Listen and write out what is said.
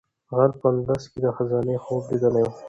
غل په اندلس کې د خزانې خوب لیدلی و.